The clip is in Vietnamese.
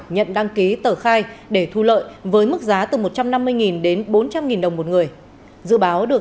nhận đăng ký tờ khai để thu lợi với mức giá từ một trăm năm mươi đến bốn trăm linh đồng một người dự báo được